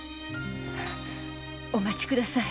お待ちください